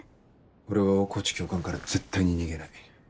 俺は大河内教官から絶対に逃げない。